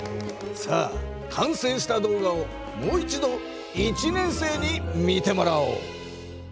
さあ完成した動画をもう一度１年生に見てもらおう。